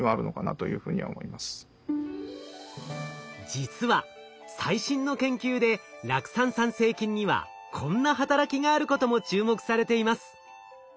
実は最新の研究で酪酸産生菌にはこんな働きがあることも注目されています。